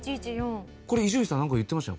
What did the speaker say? これ伊集院さんなんか言ってましたね